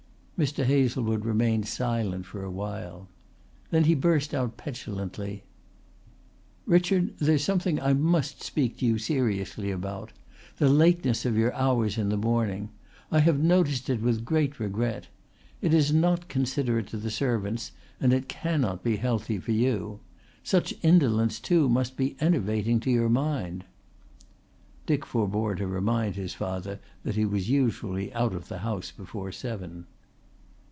Mr. Hazlewood remained silent for a while. Then he burst out petulantly: "Richard, there's something I must speak to you seriously about: the lateness of your hours in the morning. I have noticed it with great regret. It is not considerate to the servants and it cannot be healthy for you. Such indolence too must be enervating to your mind." Dick forbore to remind his father that he was usually out of the house before seven.